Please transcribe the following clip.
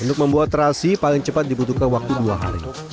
untuk membuat terasi paling cepat dibutuhkan waktu dua hari